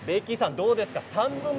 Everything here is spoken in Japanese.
どうですか？